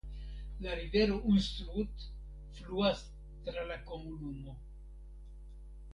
La rivero Unstrut fluas tra la komunumo.